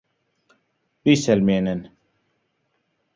بیسەلمێنن!